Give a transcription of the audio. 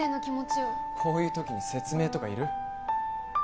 こういうときに説明とかいる？